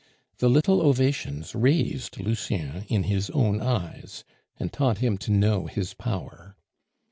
The little ovations raised Lucien in his own eyes, and taught him to know his power.